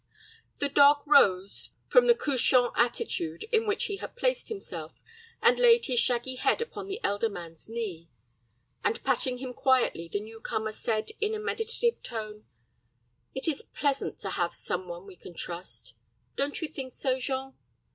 The dog rose from the couchant attitude in which he had placed himself, and laid his shaggy head upon the elder man's knee; and, patting him quietly, the newcomer said, in a meditative tone, "It is pleasant to have some one we can trust. Don't you think so, Jean?"